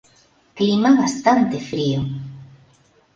Clima bastante frío.